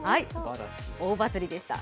大バズりでした。